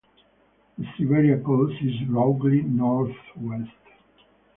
The Siberia coast is roughly northwest.